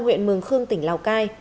huyện mường khương tỉnh lào cai